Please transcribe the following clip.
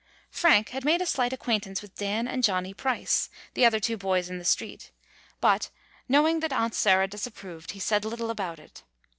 Frank had made a slight acquaintance with Dan and Johnny Price, the other two boys in the street, but, knowing that Aunt Sarah disapproved, he said little about it.